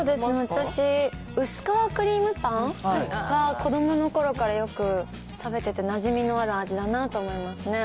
私、薄皮クリームパンは、子どものころからよく食べててなじみのある味だなと思いますね。